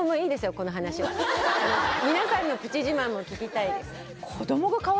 この話は皆さんのプチ自慢も聞きたいですうわ